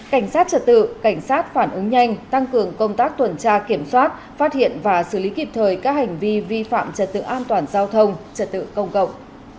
cảnh sát trật tự cảnh sát phản ứng nhanh tăng cường công tác tuần tra kiểm soát phát hiện và xử lý kịp thời các hành vi vi phạm trật tự an toàn giao thông trật tự công cộng